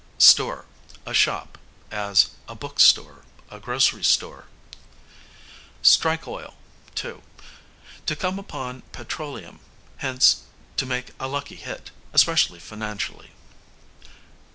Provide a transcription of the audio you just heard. Store, a shop, as a book store, a grocery store. Strike oil, to; to come upon petroleum: hence to make a lucky hit, especially financially.